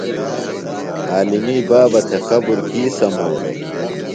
عالمی بابہ تھےۡ قبر کی سمولوۡ؟